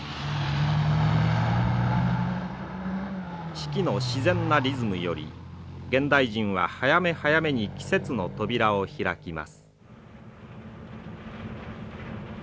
四季の自然なリズムより現代人は早め早めに季節の扉を開きます。